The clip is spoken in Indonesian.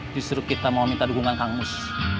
justru kita mau minta dukungan kang mus